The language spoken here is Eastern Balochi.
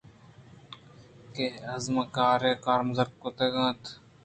کہ اِزمٛکارے ءَ کارمرز کُتگ اَت دئور داتگ